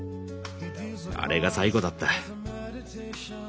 あれが最後だった。